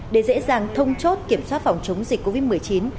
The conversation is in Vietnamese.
để dễ dàng thông chốt kiểm soát phòng chống dịch covid một mươi chín